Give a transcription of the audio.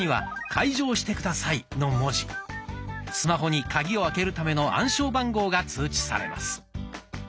スマホにカギを開けるための暗証番号が通知されます。